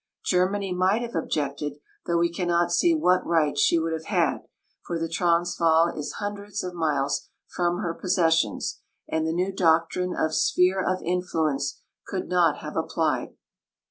Germany might have objected, though we cannot see what right she would have had, for the Transvaal is hundreds of miles from her possessions, and the new doctrine of " Sphere of Influence " could not have applied.